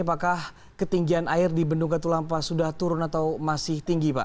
apakah ketinggian air di bendung katulampa sudah turun atau masih tinggi pak